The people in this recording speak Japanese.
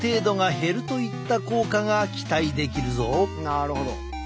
なるほど。